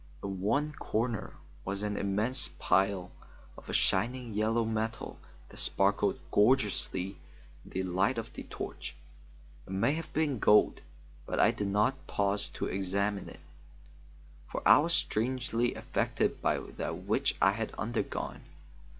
In one corner was an immense pile of a shining yellow metal that sparkled gorgeously in the light of the torch. It may have been gold, but I did not pause to examine it, for I was strangely affected by that which I had undergone.